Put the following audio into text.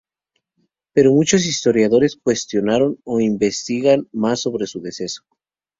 Pero muchos historiadores cuestionaron o investigan más sobre su deceso.